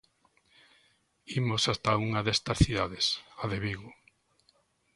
Imos ata unha destas cidades, a de Vigo.